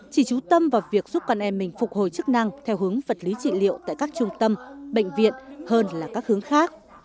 chỉ trú tâm vào việc giúp con em mình phục hồi chức năng theo hướng vật lý trị liệu tại các trung tâm bệnh viện hơn là các hướng khác